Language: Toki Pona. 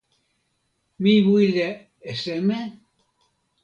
mi wile e seme?